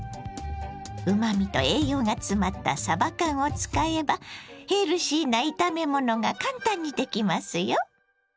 うまみと栄養が詰まったさば缶を使えばヘルシーな炒め物が簡単にできますよ！